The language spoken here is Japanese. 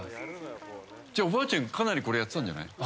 じゃあおばあちゃんかなりこれやってたんじゃない？